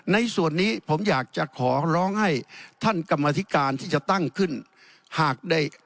ในส่วนนี้ผมอยากจะขอร้องให้ท่านกรรมธิการที่จะตั้งขึ้นหากได้